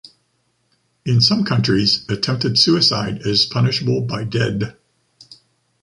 In some countries, attempted suicide is punishable by dead.